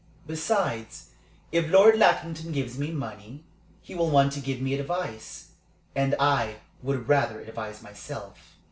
"Besides, if Lord Lackington gives me money, he will want to give me advice. And I would rather advise myself."